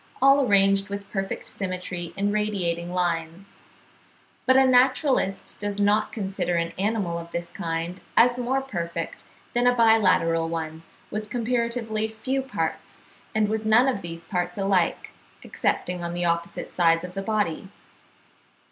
all arranged with perfect symmetry in radiating lines; but a naturalist does not consider an animal of this kind as more perfect than a bilateral one with comparatively few parts, and with none of these parts alike, excepting on the opposite sides of the body.